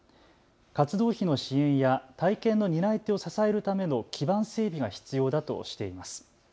活動費の支援や体験の担い手を支えるための基盤整備が必要だとしています。